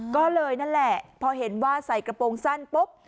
ก็เลยนั่นแหละพอเห็นว่าใส่กระโปรงสั้นปุ๊บ